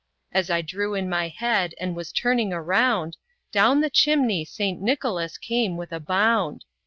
As I drew in my head, and was turning around, Down the chimney St. Nicholas came with a bound.